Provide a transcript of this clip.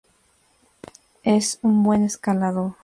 Es un buen escalador.